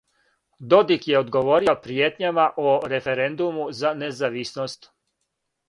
Додик је одговорио пријетњама о референдуму за независност.